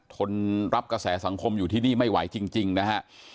ทนรับกระแสสังคมอยู่ที่นี่ไม่ไหวจริงนะฮะ